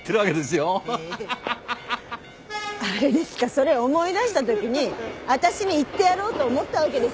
それ思い出したときに私に言ってやろうと思ったわけですか？